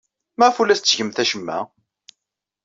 Maɣef ur la tettgemt acemma?